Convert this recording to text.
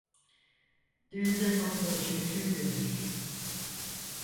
Düğünde Fatmacığı kim bilir?